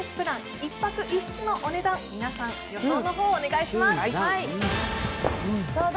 １泊１室のお値段、皆さん予想の方をお願いします。